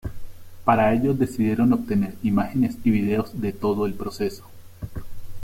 Para ello decidieron obtener imágenes y vídeos de todo el proceso.